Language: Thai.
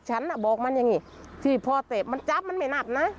ฉันน่ะบอกมันอย่างนี้ที่พอเตะมันจับมันไม่หนักนะ